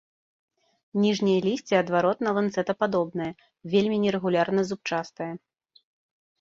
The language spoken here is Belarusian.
Ніжняе лісце адваротна-ланцэтападобнае, вельмі нерэгулярна зубчастае.